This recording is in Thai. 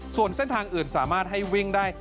ส่วนเส้นทางอื่นสามารถให้วิ่งได้